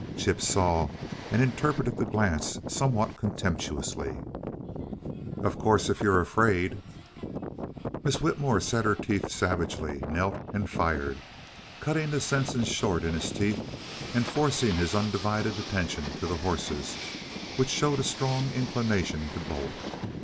Chip saw and interpreted the glance, somewhat contemptuously. "Oh, of course if you're AFRAID " Miss Whitmore set her teeth savagely, knelt and fired, cutting the sentence short in his teeth and forcing his undivided attention to the horses, which showed a strong inclination to bolt.